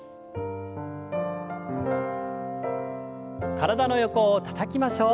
体の横をたたきましょう。